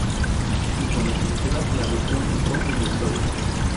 Y con la escritura la región entró en la Historia.